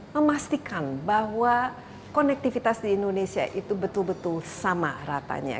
memastikan bahwa konektivitas di indonesia itu betul betul sama ratanya